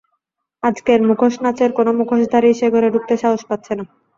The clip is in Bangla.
আজকের মুখোশনাচের কোনো মুখোশধারীই সে ঘরে ঢুকতে সাহস পাচ্ছে না।